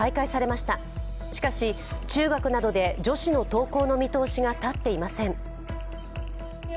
しかし、中学などで女子の登校の見通しが立っていません。